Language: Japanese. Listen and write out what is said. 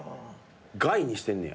「ガイ」にしてんねや？